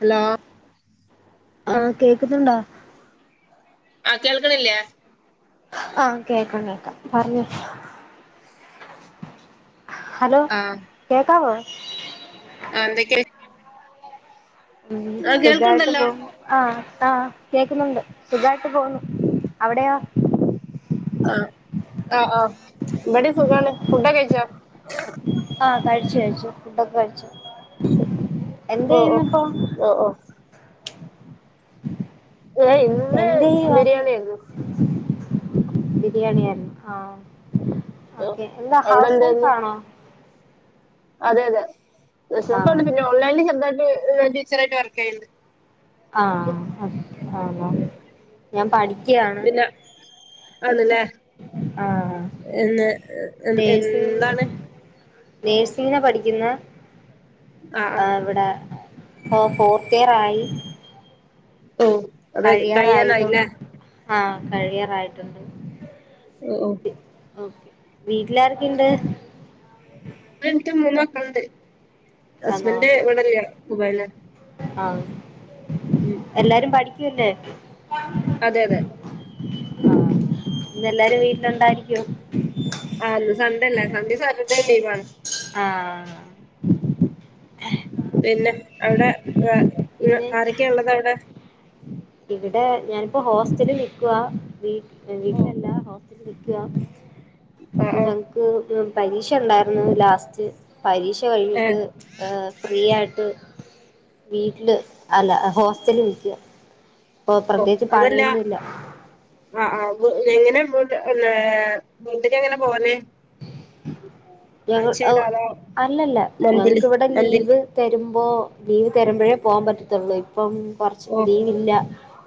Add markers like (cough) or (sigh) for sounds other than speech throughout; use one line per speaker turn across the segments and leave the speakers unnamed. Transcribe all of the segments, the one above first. Hello
ആഹ് കേക്കുന്നുണ്ടോ
ആഹ് കേൾക്കണില്ലേ
ആഹ് കേക്കാം കേക്കാം പറഞ്ഞോ ഹലോ കേക്കാവോ
ആഹ് എന്തൊക്കെ
ഉം. സുഖായിട്ട്
കേൾക്കണ്ടല്ലോ
പോണ് ആഹ് ആഹ് കേക്കുന്നുണ്ട് സുഖായിട്ട് പോകുന്നു അവിടെയാ
ആഹ് ആഹ് ആഹ് ഇവിടെ സുഖാണ് ഫുഡ് കഴിച്ചൊ
ആഹ് കഴിച്ചു കഴിച്ചു ഫുഡ്ക്കെ കഴിച്ചു
ഓ
എന്തയ്യുന്ന ഇപ്പോ
ഓ ഓ ഓ ഏ ഇന്ന്
എന്തു ചെയ്യുവാ
ബിരിയാണി ആയിരുന്നു
ബിരിയാണി ആയിരുന്നു ആഹ്
ഓ
ഓക്കെ എന്താ
അവിടെ
ഹൗസ്
എന്തായിരുന്നു
വൈഫാണോ
അതെ അതെ ഹൗസ്
ആഹ്
വൈഫാണ് പിന്നെ ഓൺലൈനിൽ ചെറുതായിയിട്ട് ടീച്ചറായിട്ട് വർക്ക് ചെയ്യണ്ട്
ആഹ് ആഹ ഞാൻ പഠിക്കയാണ്
അതേലേ
ആഹ്
എ എന്താണ് ഓ ഓ
നേഴ്സിംഗിനാ പഠിക്കുന്ന
ആ ആ
ആഹ് ഇവിടെ ഫോർത്ത് ഇയർ ആയി.
ഓ അതെ
കഴിയാറായതു
കഴിയാനായിലേ
ആഹ് കഴിയാറായിട്ടുണ്ട്
ഒ ഓ
ഓ വീട്ടിലാരൊക്കെണ്ട്
എനിക്ക് മൂന്ന് മക്കള്ണ്ട്
ആന്നോ
ഹസ്ബൻഡ് ഇവിടെല്ല ദുബായിലാ
ആഹ്
ഉം.
എല്ലാരും പഠിക്കുല്ലേ?
അതെ അതെ.
ആഹ് ഇന്നെല്ലാരും വീട്ടിലുണ്ടായിരിക്കോ?
ആഹ് ന്ന് സൺഡല്ലേ സൺഡിം സാറ്റർഡേ ലീവാണ്.
ആഹ്
പിന്നെ അവിടെ യ യു
പിന്നെ
ആരൊക്കെ ഉള്ളതവിടെ
ഇവിടെ ഞാനിപ്പോ ഹോസ്റ്റലിൽ നിക്കുവാ വീട്ട്
ഓ
വീട്ടിലല്ല ഹോസ്റ്റലിൽ നിക്കുവാ
ആ
അപ്പൊ
ആ
ഞങ്ങക്ക് പരീക്ഷ ഉണ്ടായിരുന്നു ലാസ്റ്റ് പരീക്ഷ
ഏ
കഴിഞ്ഞിട്ട് ഈഹ് ഫ്രീ ആയിട്ട് വീട്ടില് അല്ല ഹോസ്റ്റലി നിക്കുവാ ഇപ്പൊ
ഓഹ്
പ്രത്യേകിച്ച്
അതല്ലാ
പണിയൊന്നുല്ല
ആഹ് ആഹ് വ് (unintelligible) വീട്ട്ക്ക് എങ്ങനെ പോല്
ഞങ്ങ അഹ്
അതോ
അല്ലല്ല
മന്ത്ലി
ഞങ്ങക്ക് ഇവ്ടെ
മന്ത്ലി
ലീവ് തരുമ്പോ ലീവ് തരുമ്പഴേ പോകാൻ പറ്റത്തുള്ളൂ ഇപ്പം കുറച്ച്
ഓ
ലീവില്ല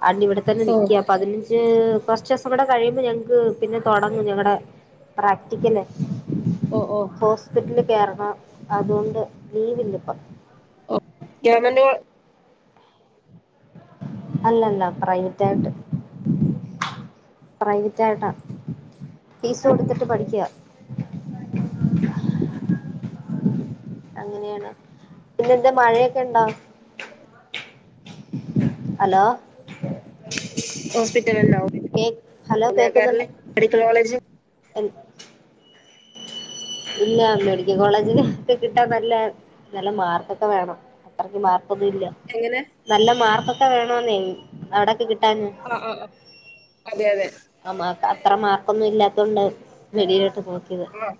അണ് ഇവിടെ തന്നെ
ഓ
നിക്ക പതിനഞ്ച് കൊറച്ച്സം കൂടെ കഴിയുമ്പോ ഞങ്ങക്ക് പിന്നെ തുടങ്ങും ഞങ്ങളുടെ പ്രാക്ടിക്കല്
ഓ ഓ
ഹോസ്പിറ്റല് കേറണം അതൊണ്ട് ലീവില്ലപ്പൊ
ഓഹ് (unintelligible)
അല്ലല്ല പ്രൈവറ്റായിട്ട് പ്രൈവറ്റായിട്ടാ ഫീസ് കൊടുത്തിട്ട് പഠിക്ക അങ്ങനെണ് പിന്നെ എന്താ മഴയൊക്കെണ്ടാ അലോ
ഹോസ്പിറ്റൽന്നാവും ലെ കേറല് മെഡിക്കൽ കോളേജ്
ആഹ് ഇല്ല മെഡിക്കൽ കോളേജില ഒക്കെ കിട്ടാൻ നല്ല നല്ല മാർക്കൊക്കെ വേണം അത്രക്ക് മാർക്കൊന്നില്ലെ
എങ്ങനെ
നല്ല മാർക്കൊക്കെ വേണോന്നെയ് അവിടൊക്കെ കിട്ടാൻ
ആഹ് ആഹ് ആഹ് അതെ അതെ
ആഹ് മാർക്ക് അത്ര മാർക്കൊന്നും ഇല്ലാത്തോണ്ടവും വെളിയിലോട്ട് നോക്കിയത്
ആഹ്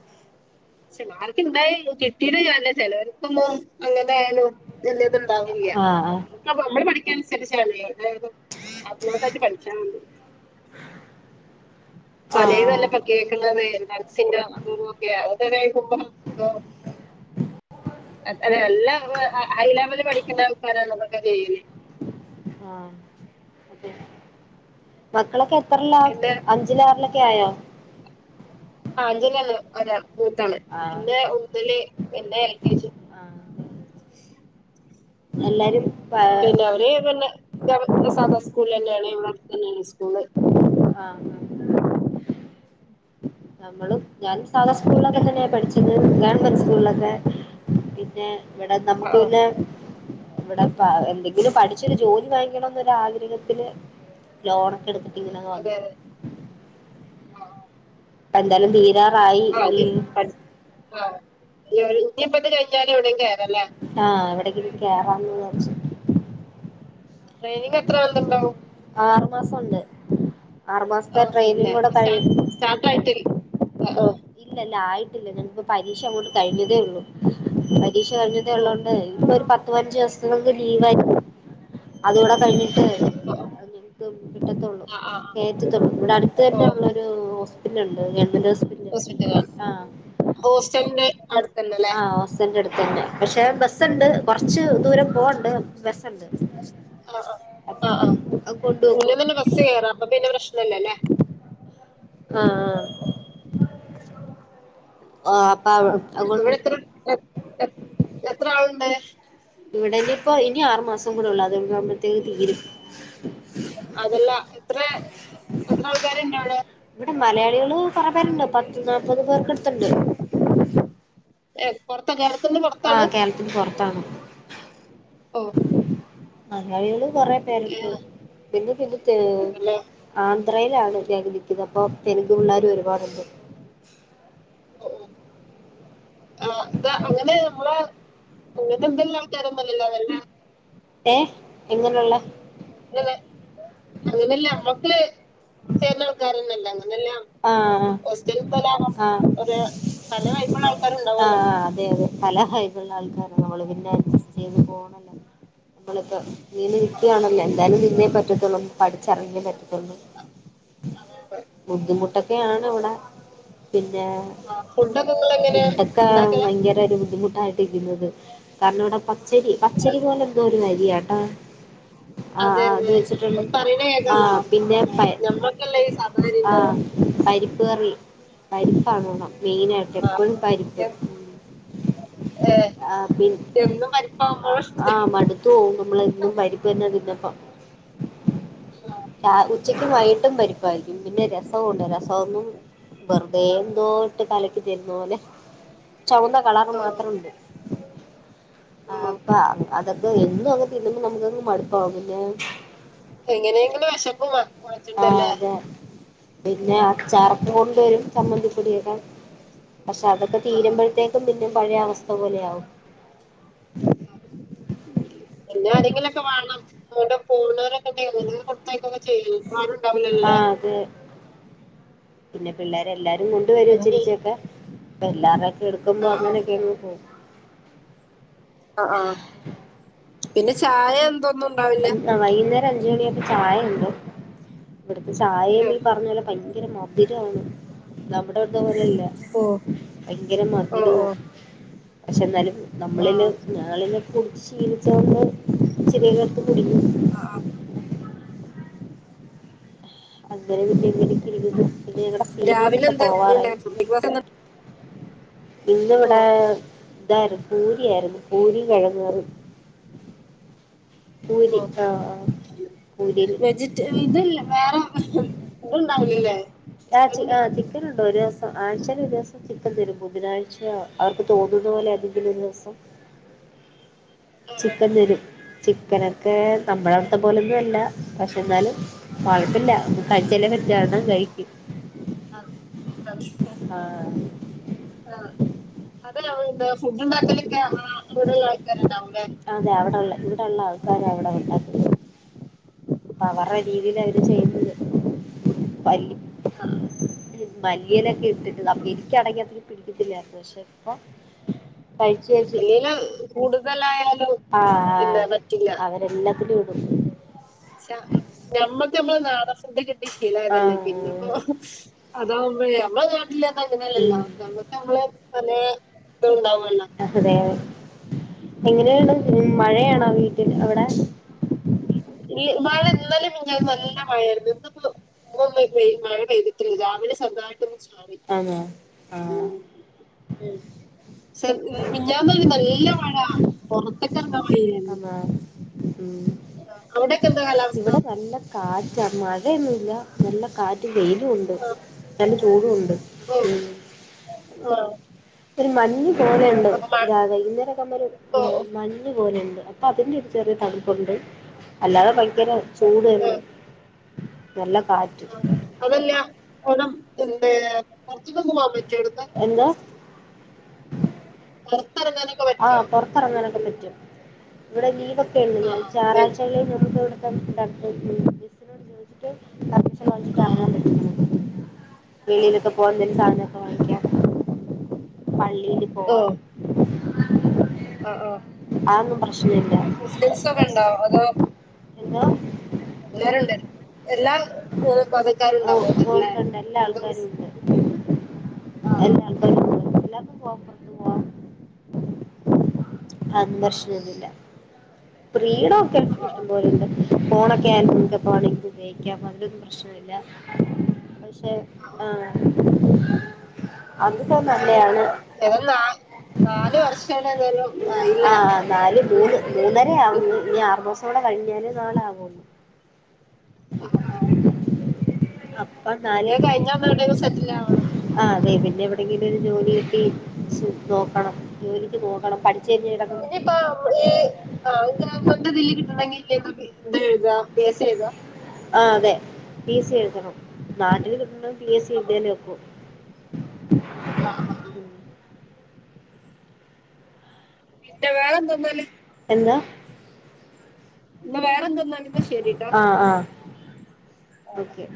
ചേലോർക്ക് ഇണ്ടയ കിട്ടീയിട്ട് കാര്യല്ല ചിലോർക്കുമ്പോ അങ്ങനെ ആയാലും എല്ലേതുണ്ടാവുല്ല്യ
ആഹ്
അപ്പ നമ്മള് പഠിക്കണ അനുസരിച്ചാവുല്യേ അതായത് അത്തത് പഠിച്ചാണ്ട്
ആഹ്
പലേതല്ല
ആഹ്
പ്പോ കേൾക്ക്ണത് ഡ്രഗ്സിന്റെ അതു ഇതൊക്കെ അതൊണ്ടന്നെ ആയിരിക്കും പ്പം പ്പൊ അത് അതെ അല്ല ഹൈ ലെവല് പഠിക്കുന്ന ആൾക്കാരാണ് അതൊകെ ചെയ്യല്
ആഹ് അതെ മക്കളൊക്കെ എത്രല്ല
എന്റെ
അഞ്ച് അഞ്ചിലാർലൊക്കെ ആയോ
ആഹ് അഞ്ജലാണ് ഒരാൾ മൂത്താള്
ആഹ്
പിന്നെ ഒന്നില് പിന്നെ എ കെ ജി
ആഹ് എല്ലാരും ആഹ്
പിന്നെ അവര് പിന്നെ ഗവർ സാദാ സ്കൂളിലെന്നെണ് ഇവിടെ അട്ത്തന്നെണ് സ്കൂള്
ആഹ് നമ്മളും ഞാനും സാധാ
പിന്നെ
സ്കൂളിലൊക്കെ തന്നെ പഠിച്ചത് ഗവൺമെന്റ് സ്കൂളിലൊക്കെ പിന്നെ പിന്നെ ഇവിടെ
ആ
നമ്മുക്ക് പിന്നെ ഇവിടെ ഇപ്പ എന്തെങ്കിലും പഠിച്ചൊരു ജോലി വാങ്ങിക്കണംന്ന് ഒരു ആഗ്രഹത്തില് ലോണൊക്കെ എടുത്ത് ഇങ്ങനെ
അതെ
വന്നു
അതെ ആ
എന്താലും ബീ എ
ആ അതെ പഠ് ആ ഇനി അവര് ഇനി ഇപ്പൊ ഇത് കഴിഞ്ഞാല് എവിടേലും കേറാ ലെ
ആഹ് എവിടെങ്കിലും കേറാന്ന് വിചാരിച്ചു
ട്രെയിനിങ് എത്ര (unintelligible)
ആറുമാസം ഉണ്ട് ആറുമാസത്തെ ട്രെയിനിങ് കൂടെ കഴി
സ്റ്റാട്ട്റായി ഇട്ട് കേറി ആഹ് ആഹ്
ഇല്ല ഇല്ല ആയിട്ടില്ല ഞാനിപ്പോ പരീക്ഷ അങ്ങോട്ട് കഴിഞ്ഞതേ ഉള്ളൂ പരീക്ഷ കഴിഞ്ഞതേ
ഓഹ്
ഉള്ളോണ്ട് ഇനി ഇപ്പൊ ഒരു പത്ത് പതിനഞ്ചു ദിവസങ്ങള് ലീവായിരിക്കും അതൂടെ കഴിഞ്ഞിട്ട്
ഓഹ്
(unintelligible) കിട്ടത്തൊള്ളു
ആഹ് ആഹ്
കേറ്റത്തൊള്ളൂ ഇവിടെ അടുത്ത് തന്നെ
ഓഹ്
ഉള്ള ഒരു ഹോസ്പിറ്റല്ണ്ട് ഗവൺമെന്റ് ഹോസ്പിറ്റ
ഹോസ്പിറ്റലാണ് ഹോസ്റ്റൽന്റെ അട്
ആഹ് ഹോസ്‌റ്റൽന്റെ അടുത്തന്നെ പക്ഷെ ബസ്സ്ണ്ട്
ആഹ്
കൊറച്ച് ദൂരം പോവാണ്ട് ബസ്സെണ്ട്
ആഹ്
ഔ
ആഹ് ആഹ്
അത് കൊണ്ട്
മുന്നേ
വെക്കോ
തന്നെ ബസ്സ് കേറാ അപ്പൊ പിന്നെ പ്രശ്നം ഇല്ലല്ലേ
ആഹ് ആഹ് ആഹ് അപ്പ അവ്
ഇവിടെ എത്ര എ എ എത്ര ആള്ണ്ട്
ഇവിടെ ഇഞ്ഞിപ്പൊ ഇനി ആറ് മാസം കൂടെ ഒള്ളു അത് കഴിയുമ്പത്തേക്ക് തീരും
അതല്ല എത്ര എത്ര ആൾക്കാര് ഇണ്ട് അവിടെ
ഇവടെ മലയാളികള് കൊറേ പേര്ണ്ട് പത്ത് നാപ്പത് പേർക്ക് ഇട്ത്ത്ണ്ട്
ഏഹ് പൊറത്താ കേരളത്ത് ന്ന് പൊറത്താണ്
(unintelligible) പൊറത്താണ്
ഓഹ്
മലയാളികള് കൊറെ പേര്ണ്ട്
ഏഹ്
പിന്നെ പിന്നെ തെ ആന്ധ്രയിലാണ് ഞാന് നിക്കിന്നെ അപ്പോ തെലുങ്ക് പിള്ളേര് ഒരുപാട്ണ്ട്
ഓഹ് ആഹ് ഇത് അങ്ങനെ നമ്മളെ അങ്ങൻത്തെ എന്ത് ല്ല ആൾക്കാരൊന്നല്ലല്ലോ നല്ലെ
ഏഹ് എങ്ങനുള്ള
ല്ലല്ലേ അങ്ങനെല്ല ഞ്ഞമ്മക്ക് ചേര്ന ആൾക്കാരന്നെല്ലേ അങ്ങനെല്ല
ആഹ് ആഹ് ആഹ്
ഒരു പല വൈബുള്ള ആൾക്കാരുണ്ടാവുമല്ലോ
ആഹ് അതെ അതെ പല ഹയ്ബ്ള്ള ആൾക്കാരാ നമള് പിന്നെ അഡ്ജസ്റ്റ് ചെയ്ത് പോണല്ല നമ്മള് ഇപ്പോ ലീവില് നിക്ക്യാണല്ലോ എന്തായാലും നിന്നേ പറ്റത്തുള്ളൂ പഠിച്ചെർങ്ങിയേ പറ്റത്തൊള്ളൂ
അഹ് അതെ അതെ
ബുദ്ധിമുട്ടൊക്കെയാണ് ഇവ്ടെ പിന്നെ
ഫുഡൊക്കെ നിങ്ങൾ എങ്ങനെ
ഫുഡൊക്കെ
ഉണ്ടാക്കല
ഭയങ്കര ഒരു ബുദ്ധിമുട്ടായിട്ടിരിന്നത് കാരണം ഇവിടെ ഇപ്പം പച്ചരി പച്ചരി പോലെ എന്തോ ഒരു അരിയാട്ടാ ആഹ്
അതെ
ആഹ് അത്
അതെ
വെച്ചിട്ടേയ്ന്ന്
പറയണ കേക്കാലോ
ആഹ് പിന്നെ പയെ
ഞമ്മക്കല്ല ഈ സാധാരണ ഉണ്ടാവുക
ആഹ് പരിപ്പ് കറി പരിപ്പാണ് ഇവ്ടെ മെയിനാ
ആ,
എപ്പൊഴും പരിപ്പ്
എൻ- ഏ,
ആഹ് പിൻ
എന്നും
അ
പരിപ്പാകുമ്പോഴും
ആഹ് മട്ത്തു പോവും നമ്മള് എന്നും പരി പിന്നെ ടിന്നപ്പം രാ ഉച്ചക്കും വൈകിട്ടും പരിപ്പായി പിന്നെ രസം ഉണ്ട് രസം ഒന്നും വെറുതെ എന്തോ ഇട്ട് കലക്കി തര്ന്ന പോലെ ചൊവന്ന കളറ് മാത്രമുണ്ട്
(inaudible)
ആപ്പ അതൊക്കെ എന്നും അങ്ങ് തിന്നുമ്പോ നമ്മുക്കങ്ങ് മട്പ്പാവും പിന്നെ
എങ്ങനെയ്ങ്കിലും വെശപ്പ് മാ
ആഹ്
മാറ്റണ്ടല്ലേ
അതെ പിന്നെ അച്ചാറ്ക്കെ കൊണ്ടുവരും ചമ്മന്തിപ്പൊടിയെക്കെ പക്ഷെ അതൊക്കെ തീരുംമ്പഴത്തേ ക്കും പിന്നെ പഴയെ അവസ്ഥ പോലെയാവും
പിന്നെ ആരെങ്കിലൊക്കെ വാണം (unintelligible) പോണോരെ (unintelligible) കൊട്ത്തയ്ക്കുക്കെ ചെയ്യും പ്പ ആരുംണ്ടാവൂലല്ലല്ലോ
ആ
ലേ
അതെ പിന്നെ പിള്ളേരെ എല്ലാരും കൊണ്ട് വരും ഇച്ചിരി ച്ചെക്കെ ഇപ്പൊ എല്ലാവര്ടെ എടുക്കുമ്പോ
ആ
അങ്ങനൊയെക്കെങ്ങ് പോവും
ആഹ് ആഹ് പിന്നെ ചായ എന്തൊന്നും ണ്ടാവില്ല
ആഹ് വൈകുന്നേരം അഞ്ച് മണിയായ്പ്പ ചായ ഇണ്ട് ഇവിട്ത്തെ ചായീം ഈ പർഞ്ഞ പോലെ ഭയങ്കര മ ധുരാണ് നമ്മടെ അവിട്ത്തെ പോലെല്ല
ഓ
ഭയങ്കര
ഓ ഓ
മധുരൂം പക്ഷെ എന്നാലും
ആ
നമ്മളില് ഞങ്ങളില് കുട്ച്ച് ശീലിച്ചോണ്ട് ചെറിയെരു പ്പ കുടിക്കും
ആഹ്
അങ്ങനെ ഇങ്ങനെ ഒക്കെ ഇരിക്കുന്നു പിന്നെ ഞങ്ങളുടെ
രാവിലെ
സീനിയേഴ്സൊക്കെ
എന്താ
പോവാറായി
ഓ
ഇന്നിവിടെ ഇതായിരുന്നു പൂരിയായിരുന്നു പൂരിയും കിഴങ്ങ് കറിയും പൂരി
ആഹ്
ആ ആ പൂരിയിൽ
(unintelligible) ഇതല്ല വേറെ ഇതുണ്ടാവലല്ലേ
ആഹ് ആഹ് ചിക്കൻ ഉണ്ട് ഒരു ദിവസം ആഴ്ചയിൽ ഒരു ദിവസം ചിക്കൻതരും ബുധനാഴ്ച അവർക്ക് തോന്നുന്ന പോലെ ഏതെങ്കിലും ഒരു ദിവസം ചിക്കൻ തരും ചിക്കനൊക്കെ നമ്മുടെ അടുത്തെ പോലൊന്നും അല്ല പക്ഷെ എന്നാലും കുഴപ്പില്ല കഴിച്ചല്ലേ പറ്റു (unintelligible) കഴിക്കും
ആഹ് (unintelligible)
ആഹ്
ആഹ് അതെ ഫുഡ് ഉണ്ടാക്കലൊക്കെ ഇവിടെ ആൾക്കാറുണ്ടാവും ല്ലെ
അതെ അവിടെള്ള ഇവിടെ ഉള്ള ആൾക്കാരെ അവിടെ ഉണ്ടാക്കുന്നത് അപ്പ അവരെ രീതിൽ അവര് ചെയ്ത് മല്ലിയിലയൊക്കെ ഇട്ടിട്ട് അപ്പൊ എനിക്ക് ആണെങ്കിൽ അത്ര പിടിക്കത്തില്ലായിരുന്നു പക്ഷെ ഇപ്പൊ കഴിച്ചു
അല്ലേലും കൂടുതലായാലും
ആഹ് ആഹ്
ഇല്ല പറ്റില്ല
അവരെല്ലാത്തിലും ഇടും
നമ്മക്ക് നമ്മടെ നാടൻ ഫുഡ് കിട്ടി ശീലായതല്ലേ പിന്നെ
ആഹ്
അതാകുമ്പഴെ നമ്മടെ നാട്ടില് പർഞാ
ഉം
അങ്ങനല്ലല്ലോ നമ്മക്ക് നമ്മളെ പലേ ഇത് ഉണ്ടാവോലോ
അതെ അതെ എങ്ങനെയാണ് മഴയാണോ വീട്ടിൽ അവിടെ
ഈ മഴ ഇന്നാലെ വരെ നല്ല മഴഴായിരുന്നു ഇന്നിപ്പോ ഉം മഴ പെയ്തിട്ടല്ല രാവിലെ ചെർതായിട്ട് ഒന്ന്
ആന്നോ ആഹ്
ഉം മിനിഞ്ഞാന്ന് ഒരു നല്ല മഴ പൊറത്ത്
ആന്നോ ഉം
അവിടെക്കെ എന്താ കാലാവസ്ഥ
ഇവിടെ നല്ല കാറ്റാ മഴയൊന്നുല്ല നല്ല കാറ്റും വെയിലും ഉണ്ട്
ആ,
നല്ല ചൂടും ഉണ്ട്
ആ
ഒരു മഞ്ഞ് പോലെയുണ്ട് രാ വൈകുന്നേരം (unintelligible) മ്മല്
ഓ
ഏഹ്
ഓ
മഞ്ഞു പോലെണ്ട് അപ്പ അതിന്റെ ഒരു ചെറിയ തണുപ്പുണ്ട് അല്ലാതെ ഭയ്ങ്കെര ചൂട് തന്നെ
ആഹ്
നല്ല കാ
അതല്ലാ ഓണം ഏഹ് പാെർത്ത്ക്കൊക്കെ പോവാം പറ്റോവ്ട്ന്ന്
എന്താ
പാെറെത്തെറ്ങ്ങാന്
ആഹ് പാെറ്ത്തെറങ്ങാനൊക്കെ പറ്റും വെടെ ലീവൊക്കെ ഇണ്ട് ഞാൻ
ആഹ്
ചാറാഴ്ച്ചകളിൽ നമുക്ക് ഇവിടെ (unintelligible) മിസ്സിനോട് ചോദിച്ചിട്ട് പെർമിഷൻ വാങ്ങിച്ചിട്ട്
ആഹ് ആഹ്
എറങ്ങാം പറ്റും വെളിയിലൊക്കെ പോകാൻ എന്തേലും സാധനങ്ങളൊ പള്ളീല് പോവാം
ഓഹ് ആഹ് ആഹ്
ആതൊന്നും പ്രശ്നം ഇല്ലാ
ക്രിസ്ത്യെൻസാെക്കെ ഇണ്ടാേ അതോ
എന്താേ
എല്ലാരുണ്ട് എല്ലാവ
ഓഹ് ഉണ്ട് ഉണ്ട് എല്ലാ ആൾക്കാരും
ഹിന്ദൂസ്
ഉണ്ട്
ആഹ്
എല്ലാൾ എല്ലാർക്കും പോവാം പാെർത്ത് പോവാം അതിന് പ്രശ്നാെന്നു ഇല്ലാ ഫ്രീഡാെ ക്കെ
ആഹ് ആഹ്
ഇഷ്ടം പോലുണ്ട് ഫോണൊക്കെ ന്റെ ഫോണ് ൻക്ക് ഉയോഗിക്കാം പാ പ്രശ്നമില്ലാ പക്ഷെ ആഹ് അത് പ്പം നല്ലെയാണ്
ഏതായാലും നാ നാല് വർഷേനതായാലും ആയീലേ
ആഹ് നാല് മൂന്ന് മൂന്നെരയാവുന്നു ഇനി ആറ് മാസം കൂടെ കഴിഞ്ഞാല് നാലാകും
(unintelligible)
പ്പം
ഇനി
നാല്
അത് കഴിഞ്ഞാ ഒന്ന് എവിടെലും സെറ്റിൽ ആവണം
ആഹ് അതെ പിന്നെ എവിടെങ്കിലൊര് ജോലി കിട്ടി സു നോക്കണം ജോലിക്ക് പോകണം പഠിച്ചെയ്ഞ്ഞ ഇതകൊ
പ്പാ ഈ ആഹ് ജാഫെർന്റെതില് കിട്ടണെങ്കില് തെഴ്താ പി എ സി എഴ്താ
ആഹ് അതെ പി എസ് സി എഴ്തെണം നാട്ടില് കിട്ടണേ പി എസ് സി എഴ്തിയാലേ ഒക്കു.
ആഹ് ആ. പിന്നെ വേറെന്താന്നാല്
എന്താ?
പിന്നെ വേറെന്താന്നാല് ന്നാ ശരീട്ടാേ
ആഹ് ആഹ് ഓക്കെ